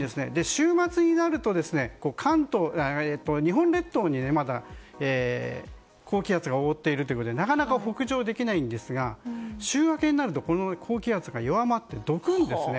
週末になると、日本列島にまだ高気圧が覆っているということでなかなか北上できないんですが週明けになるとこの高気圧が弱まって、どくんですね。